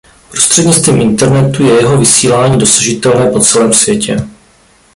Prostřednictvím internetu je jeho vysílání dosažitelné po celém světě.